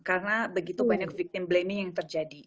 karena begitu banyak victim blaming yang terjadi